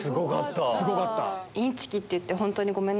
すごかった！